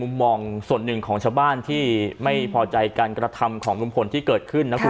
ก็อยู่ด้วยกันมากกไม่คิดว่าเขาจะไปปากรูปตีหลังกาแบบนี้นะถ้าอยากอยู่กันต่อไปก็ให้ออกมาวันนี้เลยในนิดนึงนะครับ